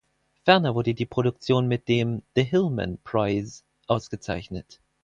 Ferner wurde die Produktion mit dem The Hillman Prize ausgezeichnet.